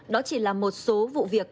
đó chỉ là một số vụ việc